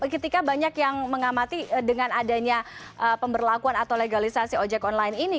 ketika banyak yang mengamati dengan adanya pemberlakuan atau legalisasi ojek online ini